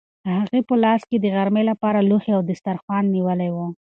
هغې په لاس کې د غرمې لپاره لوښي او دسترخوان نیولي وو.